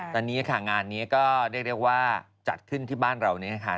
ตอนนี้ค่ะงานนี้ก็เรียกได้ว่าจัดขึ้นที่บ้านเราเนี่ยนะคะ